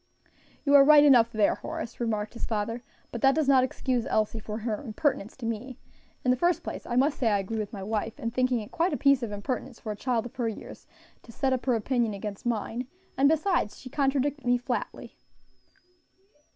"You are right enough there, Horace," remarked his father, "but that does not excuse Elsie for her impertinence to me. In the first place, I must say I agree with my wife in thinking it quite a piece of impertinence for a child of her years to set up her opinion against mine; and besides, she contradicted me flatly."